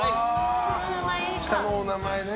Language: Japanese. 下の名前ね。